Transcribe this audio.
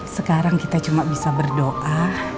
sekarang kita cuma bisa berdoa